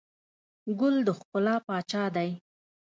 ګل د ښکلا پاچا دی.